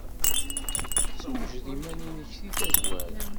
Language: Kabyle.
Ssewjed iman-nnek seg tazwara.